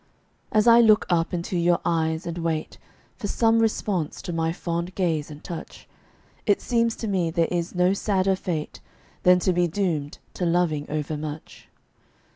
As I look up into your eyes and wait For some response to my fond gaze and touch, It seems to me there is no sadder fate Than to be doomed to loving overmuch.